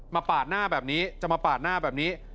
ปาดหน้าแบบนี้จะมาปาดหน้าแบบนี้